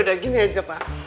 udah gini aja pak